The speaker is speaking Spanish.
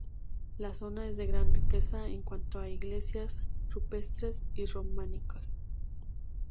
La zona es de gran riqueza en cuanto a iglesias rupestres y románicas.